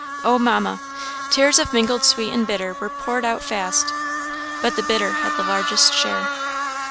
oh, Mamma!" Tears of mingled sweet and bitter were poured out fast, but the bitter had the largest share.